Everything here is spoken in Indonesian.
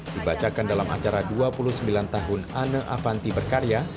dibacakan dalam acara dua puluh sembilan tahun ane avanti berkarya